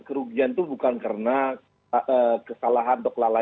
kerugian itu bukan karena